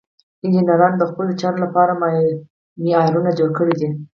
انجینرانو د خپلو چارو لپاره معیارونه جوړ کړي دي.